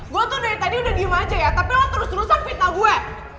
gue tuh dari tadi udah diem aja ya tapi emang terus terusan fitnah gue